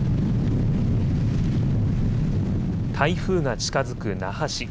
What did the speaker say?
台風が近づく那覇市。